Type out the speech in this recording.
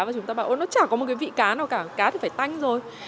và chúng ta bảo ồ nó chả có một cái vị cá nào cả cá thì phải tanh rồi